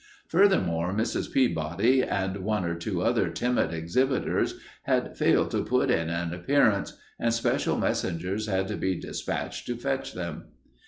Furthermore, Mrs. Peabody and one or two other timid exhibitors had failed to put in an appearance, and special messengers had to be despatched to fetch them.